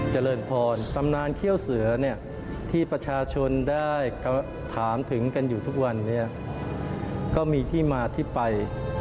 เจริญพรตำนานเขี้ยวเสือเนี่ยที่ประชาชนได้ถามถึงกันอยู่ทุกวันนี้ก็มีที่มาที่ไป